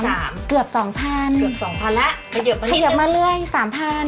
เดือนที่สามเกือบสองพันเกือบสองพันละเกือบมาเลื่อยสามพัน